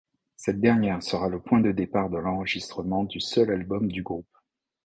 Cette dernière sera le point de départ de l'enregistrement du seul album du groupe.